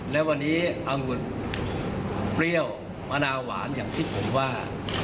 และวันนี้อังุ่นเปรี้ยวมะนาวหวานอย่างที่ผมว่า